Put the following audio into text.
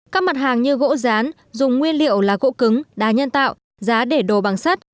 các mặt hàng như gỗ rán dùng nguyên liệu là gỗ cứng đa nhân tạo giá để đồ bằng sắt